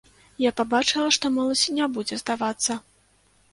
Я пабачыла, што моладзь не будзе здавацца.